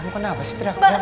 kenapa sih teriak teriak